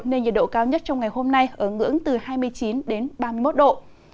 nên nhiệt độ cao nhất trong ngày hôm nay ở ngưỡng từ hai mươi chín đến ba mươi một độ